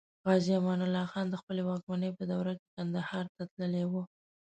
غازي امان الله خان د خپلې واکمنۍ په دوره کې کندهار ته تللی و.